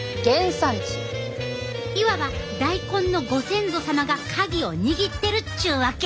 いわば大根のご先祖様が鍵を握ってるっちゅうわけ！